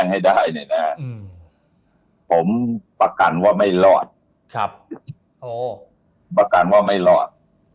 ให้ได้นะฮะผมประกันว่าไม่รอดครับโหไม่รอด